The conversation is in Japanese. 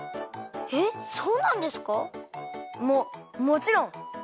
えっそうなんですか？ももちろん！